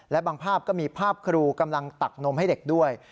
และบางภาพก็มีภาพครูกำลังตักนมให้เด็กด้วย